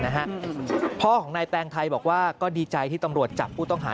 นะฮะพ่อของนายแตงไทยบอกว่าก็ดีใจที่ตำรวจจับผู้ต้องหา